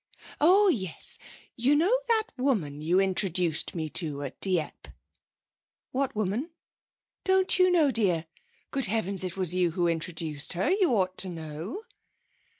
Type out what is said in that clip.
Oh yes. You know that woman you introduced me to at Dieppe?' 'What woman?' 'Don't you know, dear? Good heavens, it was you who introduced her you ought to know.'